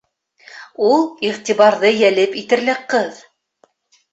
Ул иғтибарҙы йәлеп итерлек ҡыҙ.